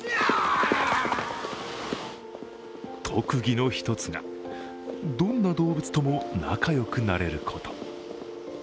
特技の一つがどんな動物とも仲良くなれること。